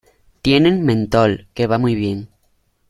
tienen mentol que va muy bien.